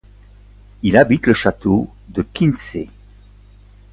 Il habite le château de Quincey.